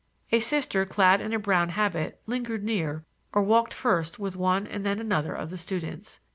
A Sister clad in a brown habit lingered near or walked first with one and then another of the students.